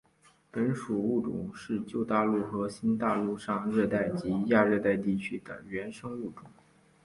本属物种是旧大陆和新大陆上热带及亚热带地区的原生物种。